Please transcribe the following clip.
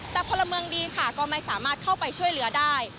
แต่พลเมืองดีค่ะก็ไม่สามารถเข้าไปช่วยเหลือได้